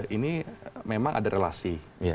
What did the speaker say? ini memang ada relasi